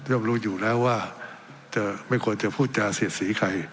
รู้อยู่แล้วว่าจะไม่ควรจะพูดจาเสียดสีใคร